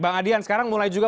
bang adian sekarang mulai juga